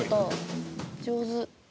上手。